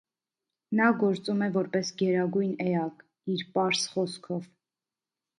Նա գործում է որպես գերագույն էակ՝ իր պարզ խոսքով։